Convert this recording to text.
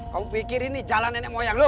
kamu pikir ini jalan nenek moyang lo